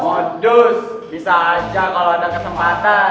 modus bisa aja kalo ada ketempatan